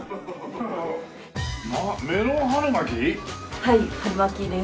はい春巻きです。